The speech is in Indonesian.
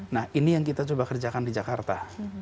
nah ini yang kita coba kerjakan di jakarta